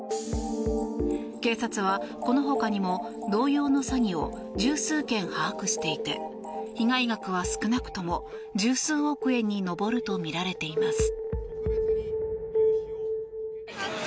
警察はこの他にも同様の詐欺を十数件把握していて被害額は少なくとも十数億円に上るとみられています。